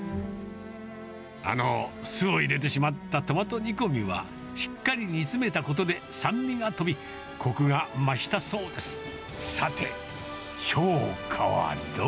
あの酢を入れてしまったトマト煮込みは、しっかり煮詰めたことで酸味が飛び、こくが増したそうです。